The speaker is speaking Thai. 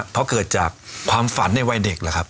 เพราะเกิดจากความฝันในวัยเด็ก